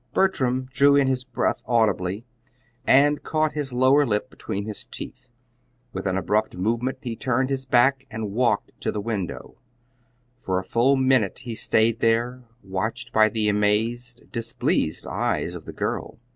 Bertram drew in his breath audibly, and caught his lower lip between his teeth. With an abrupt movement he turned his back and walked to the window. For a full minute he stayed there, watched by the amazed, displeased eyes of the girl.